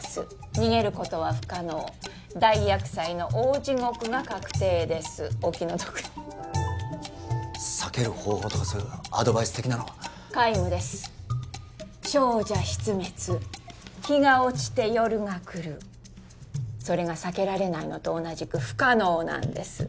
逃げることは不可能大厄災の大地獄が確定ですお気の毒に避ける方法とかそういうアドバイス的なのは皆無です生者必滅陽が落ちて夜が来るそれが避けられないのと同じく不可能なんです